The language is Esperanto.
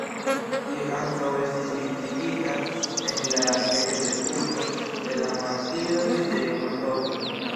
Li ankaŭ estis implikita en la ekzekuto de la "Martiroj de Kordovo".